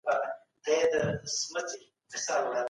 دا زموږ هيله ده.